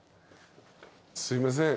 すいません。